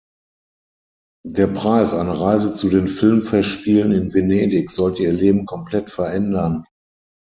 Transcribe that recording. Der Preis, eine Reise zu den Filmfestspielen in Venedig, sollte ihr Leben komplett verändern.